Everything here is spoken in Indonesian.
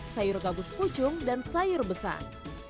sayur gabus pucung dan sayur besar